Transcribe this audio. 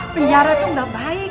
penjara tuh gak baik